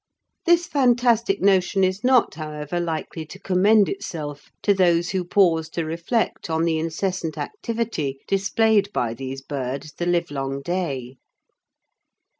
This fantastic notion is not, however, likely to commend itself to those who pause to reflect on the incessant activity displayed by these birds the livelong day.